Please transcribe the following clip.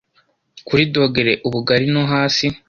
kuri dogere ubugari no hasi